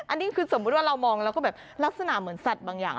อันนี้คือสมมุติว่าเรามองแล้วก็แบบลักษณะเหมือนสัตว์บางอย่าง